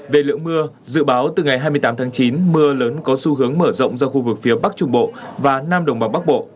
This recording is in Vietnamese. về lượng mưa dự báo từ ngày hai mươi tám tháng chín mưa lớn có xu hướng mở rộng ra khu vực phía bắc trung bộ và nam đồng bằng bắc bộ